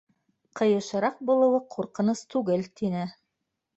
—Ҡыйышыраҡ булыуы ҡурҡыныс түгел! —тине.